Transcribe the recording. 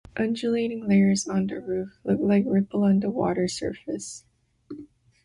Undulating layers on the roof look like ripple on the water surface.